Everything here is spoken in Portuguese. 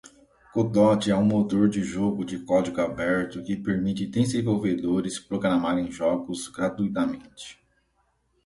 Godot é motor de jogo de código aberto que permite desenvolvedores programarem jogos gratuitamente